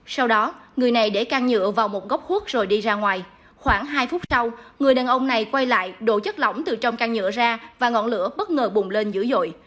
sau đó người này để can nhựa vào một góc khuất rồi đi ra ngoài khoảng hai phút sau người đàn ông này quay lại đổ chất lỏng từ trong căn nhựa ra và ngọn lửa bất ngờ bùng lên dữ dội